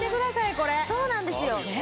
これそうなんですよ